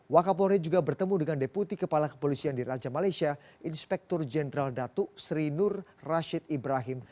wakapolri juga bertemu dengan deputi kepala kepolisian di raja malaysia inspektur jenderal datuk sri nur rashid ibrahim